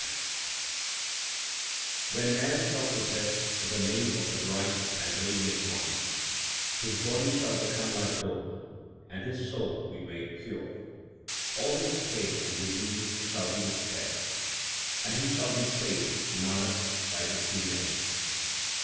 1 Malar ki War. 28 THE SIKH RELIGION When man shall possess the Name of the Bright and Radiant 1 One, His body shall become like gold and his soul be made pure ; All his pain and disease shall be dispelled, And he shall be saved, Nanak, by the true Name.